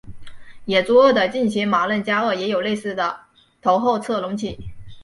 野猪鳄的近亲马任加鳄也有类似的头后侧隆起。